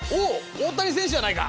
大谷選手じゃないか。